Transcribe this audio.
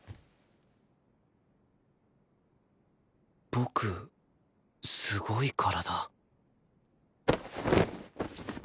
僕すごい体